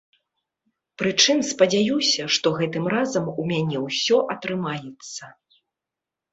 Прычым, спадзяюся, што гэтым разам у мяне ўсё атрымаецца.